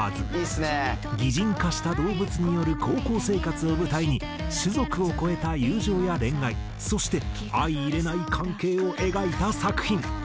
擬人化した動物による高校生活を舞台に種族を越えた友情や恋愛そして相いれない関係を描いた作品。